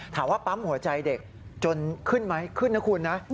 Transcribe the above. ถามว่าปั๊มหัวใจเด็กจนขึ้นไหมขึ้นนะคุณนะ